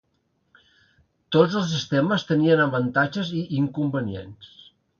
Tots els sistemes tenien avantatges i inconvenients.